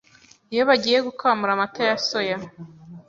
Iyo bagiye gukamura amata ya soya,